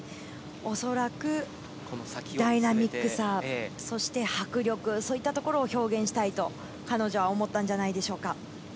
おそらくダイナミックさ、そして迫力、そういったところを表現したいと、彼女は思ったんじゃないでしょうか。